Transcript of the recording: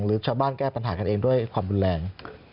หรือชาวบ้านแก้ปัญหากันเองด้วยความรุนแรง